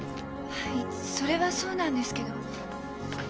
はいそれはそうなんですけど。